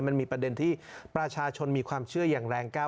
มันมีประเด็นที่ประชาชนมีความเชื่ออย่างแรงก้าว